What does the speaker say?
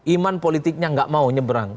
iman politiknya tidak mau nyeberang